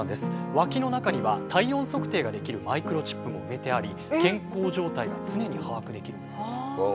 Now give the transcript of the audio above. わきの中には体温測定ができるマイクロチップも埋めてあり健康状態が常に把握できるんだそうです。